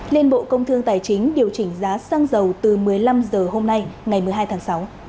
liên bộ công thương tài chính điều chỉnh giá xăng dầu từ một mươi năm h hôm nay ngày một mươi hai tháng sáu